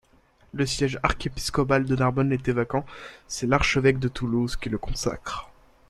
Le siège archiépiscopal de Narbonne étant vacant, c'est l'archevêque de Toulouse qui le consacre.